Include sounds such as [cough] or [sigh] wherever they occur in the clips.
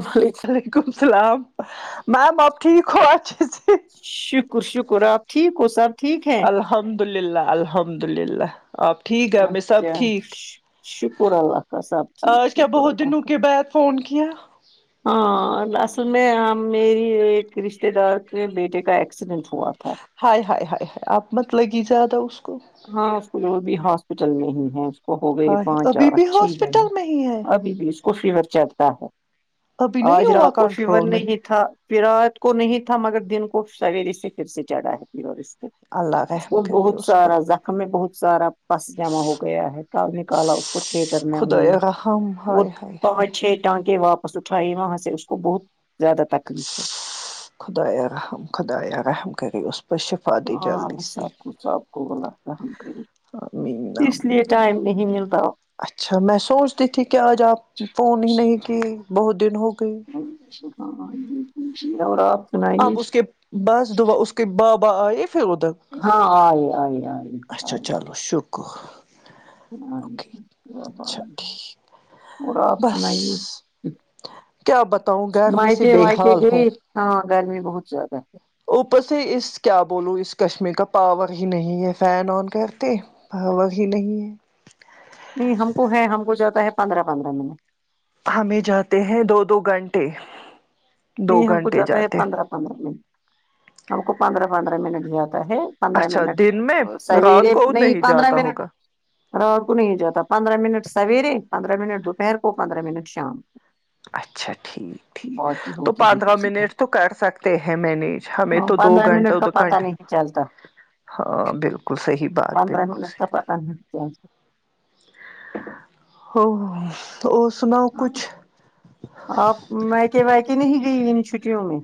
وہل وعلیکم السلام میم آپ ٹھیک ہو اچھے سے شکر شکر آپ ٹھیک ہو سر الحمد للہ الحمد للہ آپ ٹھیک ہے ہم سب اچھا ٹھیک شکر اللہ کا سب ٹھیک آج کیا شکر بہت اللہ دنوں کا کے بعد فون کیا ہاں ں ں اور اصل ہاں میری ایک رشتے دار کے بیٹے کا ایکسیڈنٹ ہوا تھا ہائے ہائے ہائے ہائے آپ مت لگی زیادہ اس کو ہاں اس وہ ابھی ہاسپٹل میں ہی ہے وہ ہو گئے ہائے پانچ ابھی آٹ بھی چھ دن ہاسپٹل میں ہی ہے ابھی بھی اس کو فیور چلتا ہے ابھی نہیں آج ہوا رات کو فیور کنٹرول میں نئی دیکھا پیرات کو نہیں تھا مگر دن کو سویر ے سے پھر سے چڑھا ہے پ اللہ رحم کرے اس پر سارا زخم میں بہت سارا پس جمع ہو گیا ہے کال نکالا اس کو تٹر میں ہم نے ہم وہ ہائے ہائے ہائے پانچ چھ ٹانکے واپس اٹھائے وہاں سے اس کو بہت زیادہ تکلیف ہو چس خدیا رحم خدایا رحم کرے اس پر شفا دی جلدی سے س آب کو غلت فاہم کری آمین اس آمین لیے ٹائم نہیں ملتا اچھا میں سوچتی تھی کہ آج آپ فون ہی نہیں کیے بہت دن ہو گئی ہاں خشیر اور اپ سنائیے اب اس کے بس دو با اس کے بابا آئے پھر ادھر ہاں آ آ آئی آئی ائی کح ہاں بپ [unintelligible] ٹھیک اور اپ بس سنائے کیا بتاؤں گرمی سے مایکے بے مایکے حال گئی ہوں ہے ہاں گرمی بہت زیادہ ہے اوپر سے اس کیا بولو اس چشمے کا پاور ہی نہیں ہے فین آن کرتے ہوا ہی نہیں ہے نہیں ہم کو ہے ہم کو جاتا ہے پندرہ پندرہ منٹ ہم بھی جاتے ہیں دو دو گنٹے دو نہیں ہم کو گنٹے جاتا ہے جاتے پندرہ پندرہ منٹ ہم کو پندرہ پندرہ منٹ جاتا ہے پندرہ اچھا منٹ دن میں رات سویرے کو نہیں پندرہ جاتا منٹ ہوگا ر کو نہیں جاتا پندرہ منٹ سویرے پندرہ منٹ دوپہر کو پندرہ منٹ شام کو اچھا ٹھیک ٹھیک تو ہوتی ہے پندرہ دوسری ہم منٹ تو کر سکتے ہیں مینج ہمیں کو تو دو پندرہ گنٹہ منٹ کا دو پتہ گنٹے نہیں چلتا ہاں بلکل صحیح بات ہے ن پ [unintelligible] ا اور سناؤ کچھ آپ میکے کے وائکے نہیں گئی ان چھٹیوں میں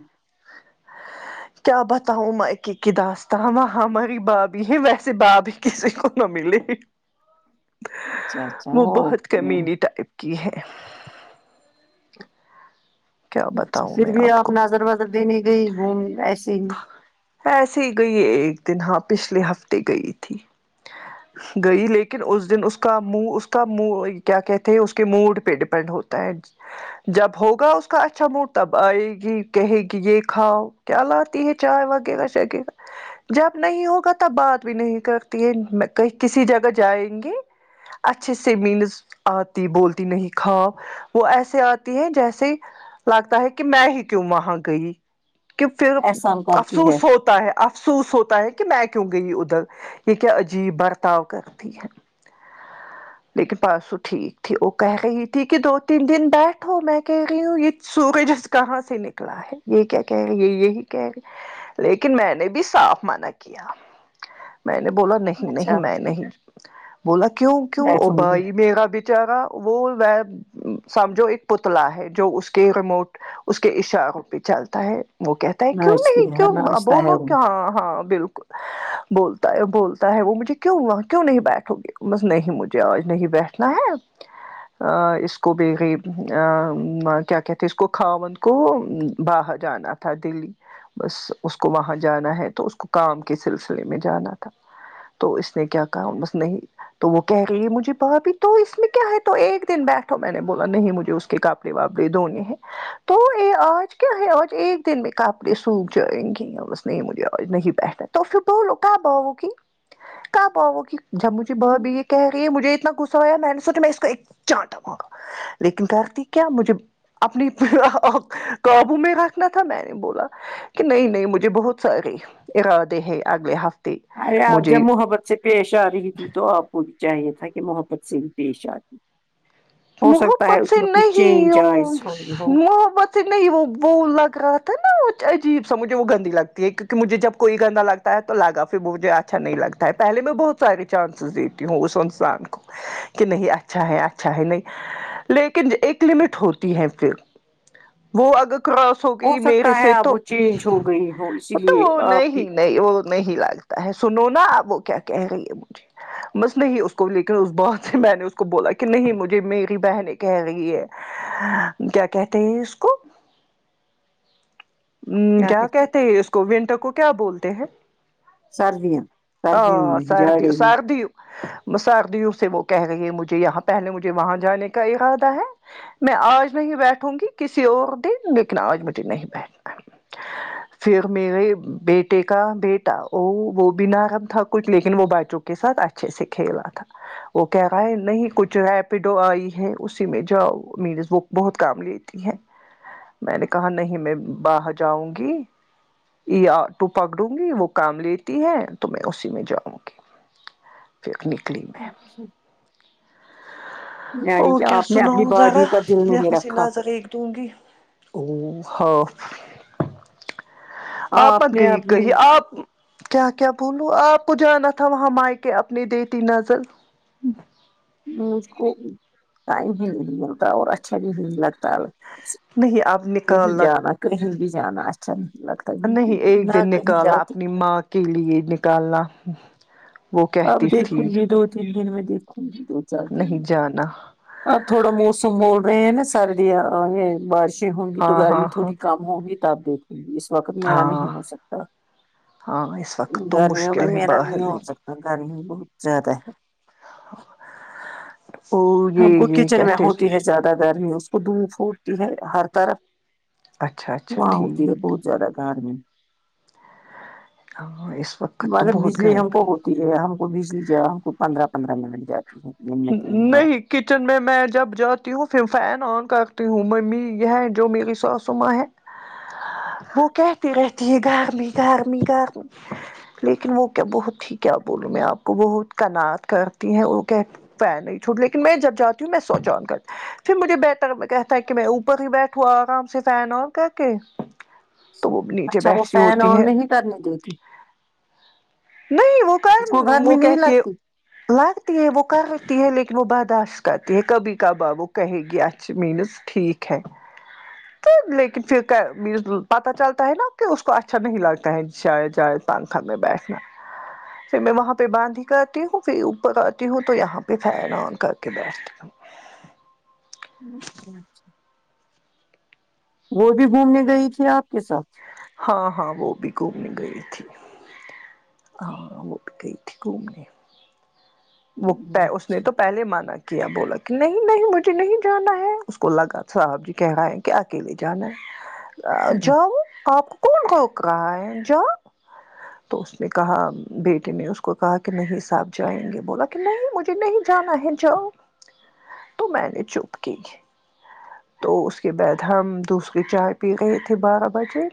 کیا بتاؤ مکے کی داستا وہاں ہماری بابھی ہے ویسے بھابی کسی کو نہ ملے اچ وہ بہت کمینی ٹائپ کی ہے کیا اچھا بتاؤں پھر میں بھی آپ کو نظر وظر دینے گئی گھوم ایسے ہی ایسے ہی گئی ایک دن ہاں پچھلے ہفتے گئی تھی گئی لیکن اس دن اس کا منہ اس کا منہ کیا کہتے ہیں اس کے موڈ پہ ڈیپینڈ ہوتا ہے جب ہوگا اس کا اچھا موڈ تب آئے گی کہے گی یہ کھاؤ کیا ال ت چائے وغیرہ وغیرہ جب نہیں ہوگا تب بات بھی نہیں کرتی ہے کہ کسی جگہ جائیں گی اچھے سے مینز آتی بولتی نہیں ہی کھا وہ ایسے آتی ہے جیسے لگتا ہے کہ میں ہی کیوں وہاں گئی کہ پھر احسان کرتی ہے افسوس ہوتا ہے افسوس ہوتا ہے کہ میں کیوں گئی ادھر یہ کیا عجیب برتاؤ کرتی ہے لیکن پرسو ٹھیک تھی وہ کہہ رہی تھی کہ دو تین دن بیٹھو میں کہہ رہی ہوں یہ سورج کہاں سے نکلا ہے یہ کیا کہے رہی ہے لیکن میں نے بھی صاف مانا کیا میں نے بولا نہیں اچھا نہیں میں نہیں بولا کیوں کیوں او بیٹھوں گی بھائی میرا بھی جگہ وہ وہ سمجھو ایک پتلا ہے جو اس کے ریموٹ اس کے اشاروں پہ چلتا ہے وہ کہتے کیوں نہیں ناچتی ہے کیوں ناچتا ہے بولو وہ کی ہاں ہاں بلکل بولتا ہے بولتا ہے وہ مجھے کیوں وہ کیوں نہیں بیٹھو گے بس نہیں مجھے آج نہیں بیٹھنا ہے ا اس کو بھی گئی کیا کہتے ہیں اس کو کھاوند کو باہر جانا تھا دلی بس اس کو وہاں جانا ہے تو اس کو کام کے سلسلے میں جانا تھا تو اس نے کیا کہا بس نہیں تو وہ کہہ رہئی ہے مجھے بھابی تو اس میں کیا ہے تو ایک دن بیٹھو میں نے بولا نہیں مجھے اس کے کام جواب دیدو انھیں تو یہ آج کیا ہے آج ایک دن میں [unintelligible] کپڑے سوکھ جائیں گے بس نہیں مجھے آج نہیں بیٹھا تو پھر بولو کب آوگی کب آو گی جب مجھے بھابی یہ کہہ رہی ہے مجے اتنا غصہ آیا میں نے سوچا میں اس کا چانٹوا گا لیکن کرتی کیا مجھے [unintelligible] اپنی قابو میں رکھنا تھا میں نے بولا کہ نہیں نہیں مجھے بہت سارے ارادے ہیں اگلے ہفتے ارے آپ جب مجھے محبت سے پیش آ رہی تھی تو آپ کو بھی چاہیے تھا کہ محبت سے بھی پیش آتی ہو سکتا ہے محبت اس سے میں کوئی نہیں چینج ہوں آئز ہوئی ہو محبت نہیں وہ وہ لگ رہا تھا نا عجیب سا مجھے وہ گندی لگتی ہے کیونکہ مجھے جب کوئی گندا لگتا ہے تو لاگا پھر مجھے اچھا نہیں لگتا ہے پہلے میں بہت سارے چانسز دیتی ہوں اس انسان کو کہ نہیں اچھا ہے اچھا ہے نہیں لیکن ایک لمٹ ہوتی ہے پھر وہ اگر کراس ہو گئی میرے سکتا ہے سے آپ تو وہ چینج ہو گئی ہو اسی تو لیے وہ آپ کی نہیں نہیں وہ نہیں لگتا ہے سنو نا آب وہ کیا کہہ رہی ہو گی بس نہیں اس کو لیکن اس بعد سے میں نے اس کو بولا کہ نہیں مجھے میری بہنیں کہہ رہی ہے کیا کہتے ہیں اس کو ہمم کیا کہتے ہیں اس کو ونٹر کو کیا بولتے ہیں سردیاں سردیوں ہاں میں سردی جاڑے میں سردی مسدیوں سے وہ کہہ رہی ہے مجھے یہاں پہلے مجھے وہاں جانے کا ارادہ ہے میں آج نہیں بیٹھوں گی کسی اور دن لیکن آج مجھے نہیں بیٹھنا ہے پھر میرے بیٹے کا بیٹا وہ وہ بی نرم تھا کچھ لیکن وہ بچوں کے ساتھ اچھا اچھے سے کھیلا تھا وہ کہہ رہا ہے نہیں کچھ ایپ آئی ہے اسی میں جاؤ مینز وہ بہت کام لیتی ہے میں نے کہا نہیں میں باہر جاؤں گی یہ آٹو پکڑوں گی وہ کام لیتی ہے تو میں اسی میں جاؤں گی پھر نکلی میں او یعنی کہ کیا آپ نے اپنی سناؤں ذرا باڈی کا دل میں نہیں رکھا حسینا نظر ایک دونگی او ہاف آپ مت نے گئی کہ اپنی آپ کیا کیا بولو آپ کو جانا تھا وہاں مائکے اپنی دیتی نظر مجھ کو ٹائم بھی نہیں ملتا اور اچھا بھی نہیں لگتا نہیں اب کہیں نکالنا جانا کہیں بھی جانا اچھا نہیں لگتا بالکل بھی، نہیں ایک نہ دن کہیں نکالا جاتی اپنی ماں کے لیے نکالنا وہ اب کہتی دیکھوں تھی گی دو تین دن میں دیکھوں گی دو چار دن نہیں جانا آ تھوڑا موسم بول رہے ہیں نا سردیا اے بارشیں ہوں گی تو ہاں گرمی ہاں ہاں تھوڑی کم ہونگی تب اس وقت میرا ہاں نہیں ہو سکتا ہاں اس وقت تو گرمیوں میں مشکل ہے میرا باہر نہیں ہو لینا سکتا گرمی بہت زیادہ ہے او یہ وہ یہ کچن میں کہتے ہوتی ہے زیادہ گرمی ہے اس کو دو پھوٹتی ہے ہر طرف اچھا اچھا وہاں ہوتی ہے ٹھیک بہت زیادہ گارمی ہاں اس وقت تو بہت غائب ہم کو ہم کو بجلیجیے ہم کو پندرہ پندرہ منٹ جاتی ہے دن میں تین بار نہیں کچن میں میں جب جاتی ہوں پھر فین آن کرتی ہوں ممی یہ جو میری ساسو ماں ہے وہ کہتی رہتی ہے گرمی گرمی گرمی لیکن وہ کیا بہت ہی کیا بولوں میں آپ کو بہت کناعات کرتی ہیں وہ کہ فین نہیں چھوٹ لیکن میں جب جاتی ہوں میں سوچاؤ گ پھر مجھے بیٹر کہتا ہے کہ میں اوپر ہی بیٹھوں آرام سے فین آن کر کے تو وہ نیچے بیٹھی ہوتی ہے کر نہیں دے تی نہیں وہ کر اس کو گرمی وہ نہیں کہتی ہے لگتی لگتی ہے وہ کر ہوتی ہے لیکن وہ برداشت کرتی ہے کبھی کبھا وہ کہے گی اچھ مینز ٹھیک ہے تو لیکن پھر پت چلتا ہے نا کہ اس کو اچھا نہیں لگتا ہے شاید شاید تنگکھت میں بیٹھنا پھر میں وہاں پہ باندھی کر آتی ہوں پھر اوپر آتی ہوں تو یہاں پہ فین آن کر کے بیٹھتی ا وہ بھی گھومنے گئی تھی آپ کے ساتھ ہاں ہاں وہ بھی گھومنے گئی تھی ہاں وہ بھی گئی تھی گھومنے وہ [unintelligible] اس نے اچھا تو پہلے مانا کیا بولا کہ نہیں نہیں مجھے نہیں جانا ہے اس کو لگا تھا ابھی کہ ہائی اکیلے جانا ہے جاؤ آپ کون روک رہا ہے جاؤ تو اس نے کہا بیٹے نے اس کو کہا کہ نہیں ساتھ جائیں گے بولا کہ نہیں مجھے نہیں جانا ہے جاؤ تو میں نے چپ کی تو اس کے بعد ہم دوسری چائے پی لیئے تھے بارہ بجے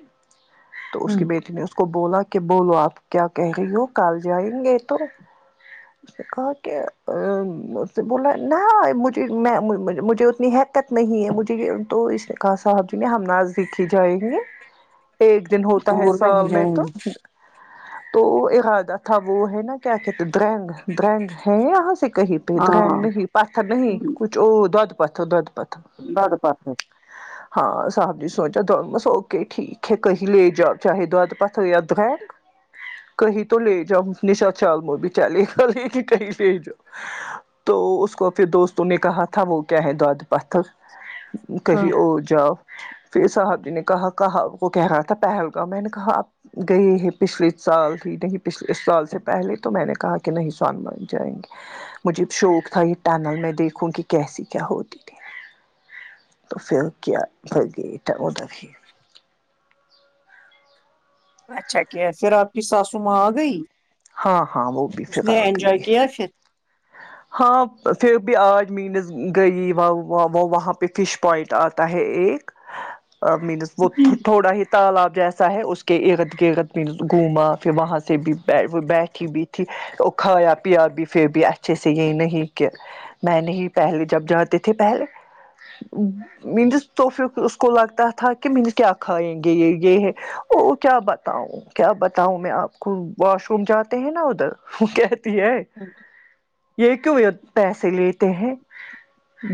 تو اس کی ہوں، بیٹی نے اس کو بولا کہ بولو آپ کیا کہہ رہی ہو کل جائیں گے تو کہا کہ بولا نہیں مجھے میں مجھے اتنی حہیکت نہیں ہے مجھے یے تو اس کہا صاحب جی نے ہم نزدیک ہی جائیں گے ایک دن ہوتا ہے دور سال بھی میں جائیں تو گی تو ارادہ تھا وہ ہے نا کیا کہتے درگ درگ ہے یہاں سے کہیں پہ درگ ہاں نہیں پاپا نہیں کچھ جو دد پت دد پت دو د پت ہاں صاحب جی سوچۓ تو اوکے ٹھیک ہے کہیں لے جاؤ چاہے دودد پت ہو یا درہگ کہیں تو لے جاؤ مفلس لاچار بچار ے کو لیکے لیکن کہیں لے چاؤ تو اس کو پھر دوستوں نے کہا تھا وہ گۓ داد پت کہی ہاں اور جاؤ پھر صاحب جی نے کہا کہا وہ کہہ رہا تھا پہلگاوں میں نے کہا آپ گئی ہے پچھلے سال ہی نہیں پچھلے سال سے پہلے تو میں نے کہا کہ نہیں اسلامہ باد جائیں گے مجھے شوق تھا یہ ٹنل میں دیکھوں کہ کیسی کیا ہوتی تھی تو پھر کیا پھر گئے تھے ادھر ہی اچھا کیا پھر آپ کی ساسو ماں آ گئی ہاں ہاں وہ بھی اس پھر نے آ گئی انجوائے ہے کیا پھر ہاں پھر بھی آج مینس گئی وہ وہاں پہ فش پوائنٹ آتا ہے ایک مینس وہ تھوڑا ہی تالاب جیسا ہے اس کے ارد گرد بھی گھوما پھر وہاں سے بھی وہ بیٹھی بھی اٹھی اور کھایا پیا بھی پھر بھی اچھے سے یہ نہیں کہ میں نہیں پہلے جب جاتے تھے پہلے مینس تو پر اس کو لگتا تھا کہ مینس کیا کھائیں گے یہ یہ ہے او کیا بتاؤں کیا بتاؤں میں آپ کو واش روم جاتے ہیں نا ادھر وہ کہتی ہے یہ کیوں پیسے لیتے ہیں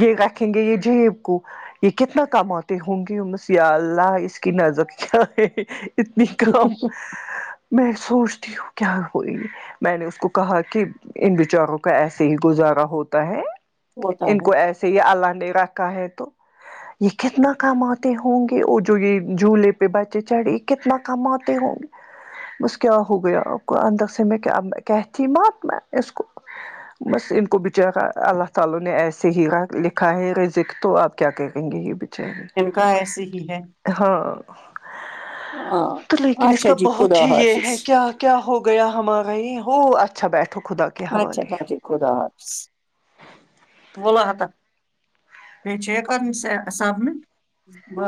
یہ رکھیں گے یہ جیب کو یہ کتنا کاموتے ہوں گی بس یا اللہ اس کی نظر کیا ہے اتنی کم میں سوچتی ہوں کیا ہوئی میں نے اس کو کہا کہ ان بیچاروں ایسے ہی گزارا ہوتا ہے ہوتا ان کو ہے ایسے ہی اللہ نے رکھا ہے تو یہ کتنا کماتے ہوں گے اور جو یہ جھولے پہ بچے چڑھے کتنا کماتے ہوں گے بس کیا ہو گیا کو اندک سے میں کہتی مات میں اس کو بس ان کو بچارا اللہ تعالی نے ایسے ہی لکھا ہے رزق تو آپ کیا کہیں گے یہ بچارے ان کا ایسے ہی ہے ہاں ہاں تو لیکن اس اچھا کا جی بہت خدا ہی یہ حافظ ہے کیا کیا ہو گیا ہمارا یہ ہو اچھا بیٹھو خدا کیا اچھا بٹے خدا حافظ بولا ہ تھا میں چ کر سبمٹ ب